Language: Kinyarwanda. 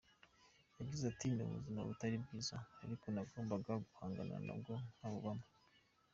Yagize ati: “Ni ubuzima butari bwiza, ariko nagombaga guhangana nabwo nkabubamo.